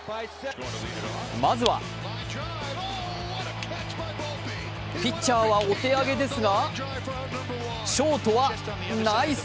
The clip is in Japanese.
まずはピッチャーはお手上げですがショートはナイス！